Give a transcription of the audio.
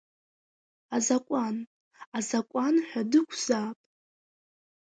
Азакәан, азакәан ҳәа дықәзаап!